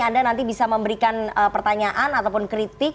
anda nanti bisa memberikan pertanyaan ataupun kritik